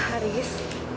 hah pak haris